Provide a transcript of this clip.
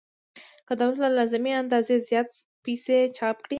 که دولت له لازمې اندازې زیاتې پیسې چاپ کړي